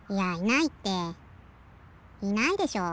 いないでしょう？